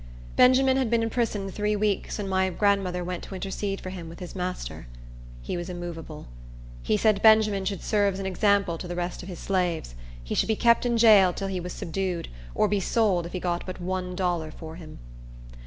Benjamin had been imprisoned three weeks, when my grandmother went to intercede for him with his master. He was immovable. He said Benjamin should serve as an example to the rest of his slaves; he should be kept in jail till he was subdued, or be sold if he got but one dollar for him.